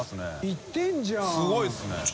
すごいですね。